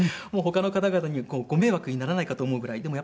もう他の方々にこうご迷惑にならないかと思うぐらい。